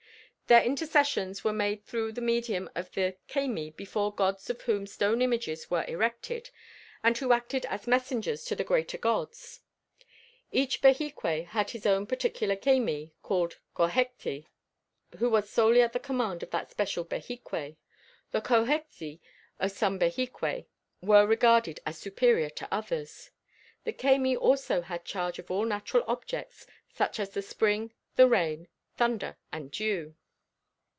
Their intercessions were made through the medium of the Cemi inferior Gods of whom stone images were erected, and who acted as messengers to the greater Gods. Each Behique had his own particular Cemi called Cochexi who was solely at the command of that special Behique; the Cochexi of some Behique, were regarded as superior to others. The Cemi also had charge of all natural objects such as the springs, the rain, thunder, and dew.